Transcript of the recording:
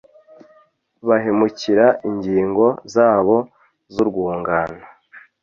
bahemukira ingingo zabo zurwungano